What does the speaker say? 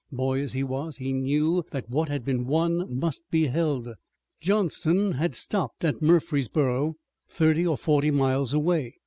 Boy as he was, he knew that what had been won must be held. Johnston had stopped at Murfreesborough, thirty or forty miles away.